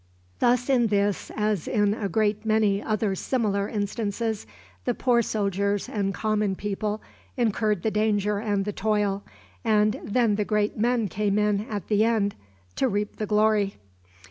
Thus in this, as in a great many other similar instances, the poor soldiers and common people incurred the danger and the toil, and then the great men came in at the end to reap the glory.